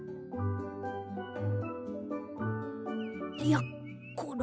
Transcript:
やっころ